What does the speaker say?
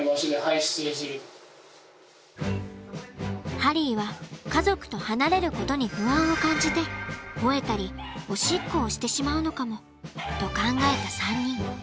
ハリーは家族と離れることに不安を感じて吠えたりおしっこをしてしまうのかもと考えた３人。